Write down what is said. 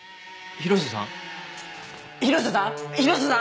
広瀬さん！